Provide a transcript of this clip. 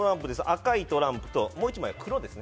赤いトランプともう１枚は黒です。